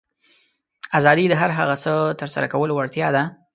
آزادي د هر هغه څه ترسره کولو وړتیا ده.